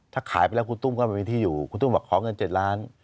ถ้าขายไปแล้วคุณตุ้มก็ไม่มีที่อยู่คุณตุ้มบอกขอเงิน๗ล้าน